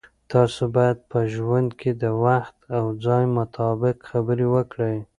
تاسو باید په ژوند کې د وخت او ځای مطابق خبرې وکړئ.